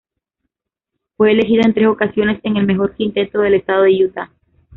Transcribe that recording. Fue elegido en tres ocasiones en el mejor quinteto del estado de Utah.